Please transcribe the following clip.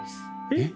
えっ？